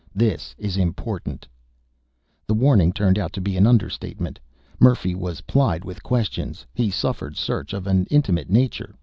This is important!" The warning turned out to be an understatement. Murphy was plied with questions. He suffered search of an intimate nature.